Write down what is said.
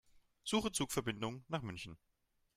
Suche Zugverbindungen nach München.